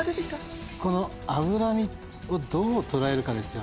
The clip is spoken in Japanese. この脂身をどう捉えるかですよ